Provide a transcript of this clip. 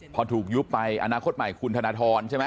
พอถูกยุบไปอนาคตใหม่คุณธนทรใช่ไหม